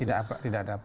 tidak ada apa apa